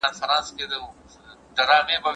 موږ ته په کار ده چي د نړۍ تاریخ ولولو.